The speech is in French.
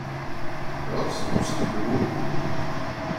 Or, c’est tout simplement…